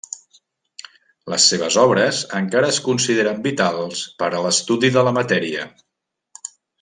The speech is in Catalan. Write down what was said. Les seves obres encara es consideren vitals per a l'estudi de la matèria.